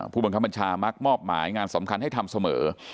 ผู้บังคับบัญชามักมอบหมายงานสำคัญให้ทำเสมอ